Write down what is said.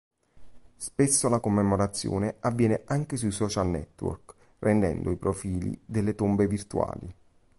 Spesso la commemorazione avviene anche sui social network, rendendo i profili delle tombe virtuali.